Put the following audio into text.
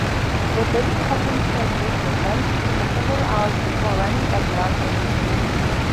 The burning cotton-clad drifted downstream for several hours before running aground and exploding.